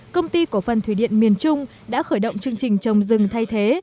công ty cổ phần thủy điện miền trung đã khởi động chương trình trồng rừng thay thế